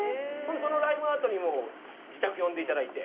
そのライブのあとにも自宅呼んでいただいて。